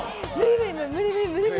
無理、無理。